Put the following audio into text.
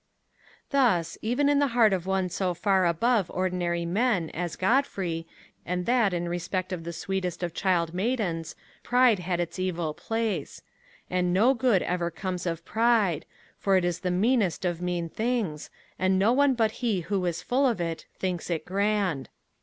Thus, even in the heart of one so far above ordinary men as Godfrey, and that in respect of the sweetest of child maidens, pride had its evil place; and no good ever comes of pride, for it is the meanest of mean things, and no one but he who is full of it thinks it grand.